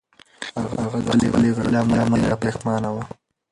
هغه د خپلې غلطۍ له امله ډېره پښېمانه وه.